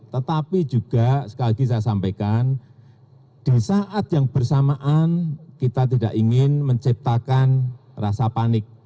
tetapi juga sekali lagi saya sampaikan di saat yang bersamaan kita tidak ingin menciptakan rasa panik